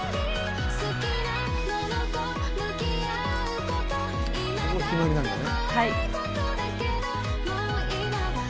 ここは決まりなんだね。